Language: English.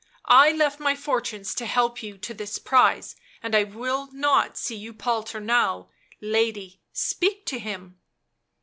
I left my fortunes to help you to this prize, and I will not see you palter now' — lady, speak to him